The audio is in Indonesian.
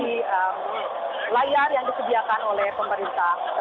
di layar yang disediakan